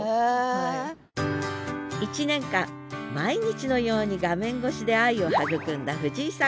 １年間毎日のように画面越しで愛を育んだ藤井さん。